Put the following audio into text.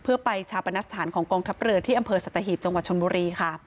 เพื่อไปชาปนสถานของกองทัพเรือที่อำเภอสัตหีบจังหวัดชนบุรีค่ะ